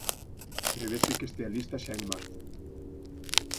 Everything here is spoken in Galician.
Prevese que estea lista xa en marzo.